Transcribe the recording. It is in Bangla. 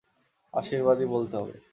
আশীর্বাদই বলতে হবে।